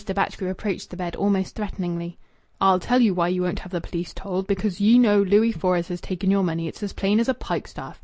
Batchgrew approached the bed almost threateningly. "I'll tell you why ye won't have the police told. Because ye know Louis Fores has taken your money. It's as plain as a pikestaff.